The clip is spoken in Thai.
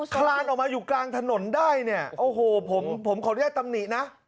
คลานออกมาอยู่กลางถนนได้เนี่ยโอ้โหผมผมขออนุญาตตำหนินะ